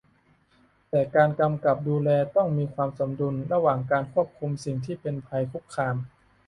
แต่การกำกับดูแลต้องมีความสมดุลระหว่างการควบคุมสิ่งที่เป็นภัยคุกคาม